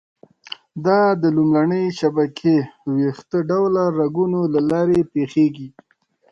دا د لومړنۍ شبکې ویښته ډوله رګونو له لارې پېښېږي.